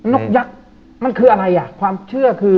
นกยักษ์มันคืออะไรอ่ะความเชื่อคือ